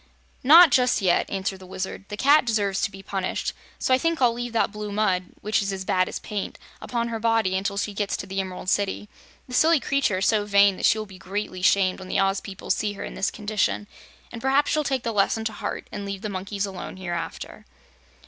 "Not just yet," answered the Wizard. "The Cat deserves to be punished, so I think I'll leave that blue mud which is as bad as paint upon her body until she gets to the Emerald City. The silly creature is so vain that she will be greatly shamed when the Oz people see her in this condition, and perhaps she'll take the lesson to heart and leave the monkeys alone hereafter."